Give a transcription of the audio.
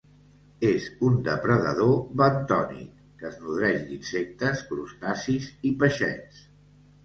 És un depredador bentònic que es nodreix d'insectes, crustacis i peixets.